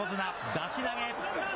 出し投げ。